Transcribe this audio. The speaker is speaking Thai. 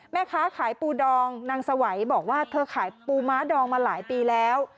แม่ค้าขายปูดองนางสวัยบอกว่าเธอขายปูม้าดองมาหลายปีแล้ว